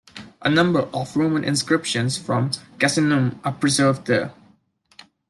A number of Roman inscriptions from Casinum are preserved there.